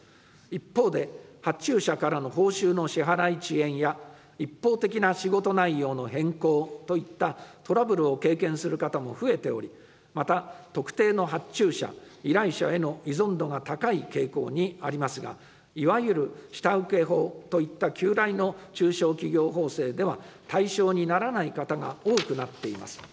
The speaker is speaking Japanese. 一方で、発注者からの報酬の支払い遅延や、一方的な仕事内容の変更といったトラブルを経験する方も増えており、また、特定の発注者・依頼者への依存度が高い傾向にありますが、いわゆる下請法といった旧来の中小企業法制では、対象にならない方が多くなっています。